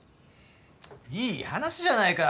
いい話じゃないか。